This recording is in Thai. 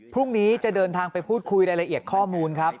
พรุ่งนี้จะเดินทางไปพูดคุยรายละเอียดข้อมูลครับ